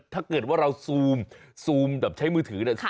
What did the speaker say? ถ้าเกิดว่าเราซูมแบบใช้มือถือเนี่ย